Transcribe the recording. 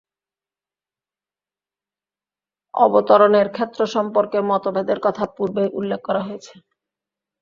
অবতরণের ক্ষেত্র সম্পর্কে মতভেদের কথা পূর্বেই উল্লেখ করা হয়েছে।